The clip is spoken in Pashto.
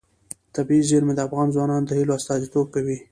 طبیعي زیرمې د افغان ځوانانو د هیلو استازیتوب کوي.